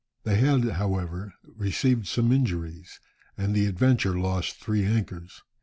They had, however, received some injuries, and the Adventure lost three anchors.